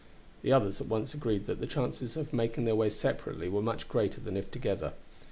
The others at once agreed that the chances of making their way separately were much greater than if together.